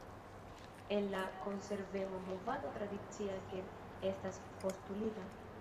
En la Konservema movado tradicia "get" estas postulita.